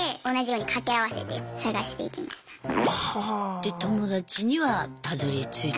で友達にはたどりついた？